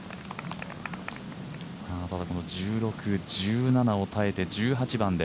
ただ、１６、１７を耐えて１８番で。